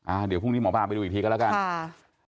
เดี๋ยวพรุ่งนี้หมอปลาไปดูอีกทีก็แล้วกันค่ะ